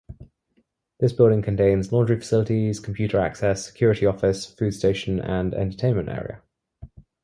This building contains laundry facilities, computer access, security office, food station and entertainment area.